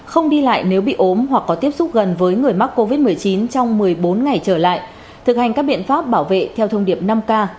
không đi lại nếu bị ốm hoặc có tiếp xúc gần với người mắc covid một mươi chín trong một mươi bốn ngày trở lại thực hành các biện pháp bảo vệ theo thông điệp năm k